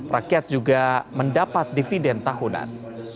rakyat juga mendapat dividen tahunan